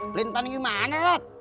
pelin pelan gimana lot